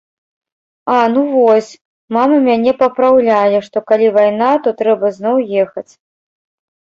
А ну вось, мама мяне папраўляе, што калі вайна, то трэба зноў ехаць.